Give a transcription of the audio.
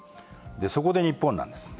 そこで日本なんです。